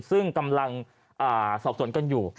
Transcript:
ซึ่งกำลังสอบสวนกันอยู่